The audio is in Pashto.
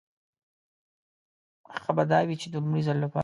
ښه به دا وي چې د لومړي ځل لپاره.